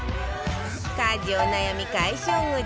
家事お悩み解消グッズ